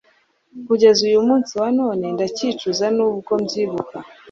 kugeza uyu munsi wa none ndabyicuza nubwo mbyibuka